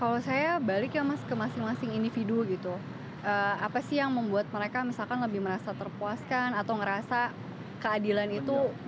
kalau saya balik ya mas ke masing masing individu gitu apa sih yang membuat mereka misalkan lebih merasa terpuaskan atau ngerasa keadilan itu